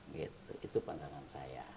gitu itu pandangan saya